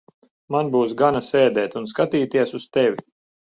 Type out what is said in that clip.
Man būs gana sēdēt un skatīties uz tevi.